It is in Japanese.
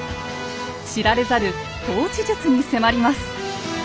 知られざる統治術に迫ります。